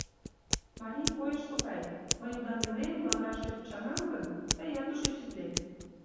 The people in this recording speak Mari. — Марий койыш тугай: мый удан илем, лавыраште почаҥам гын, тыят тушеч ит лек.